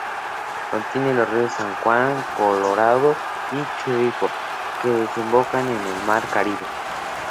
Contiene los ríos San Juan, Colorado y Chirripó que desembocan en el Mar Caribe.